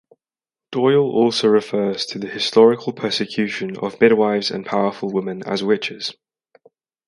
Doyle also refers to the historical persecution of midwives and powerful women as witches.